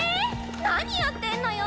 何やってんのよ！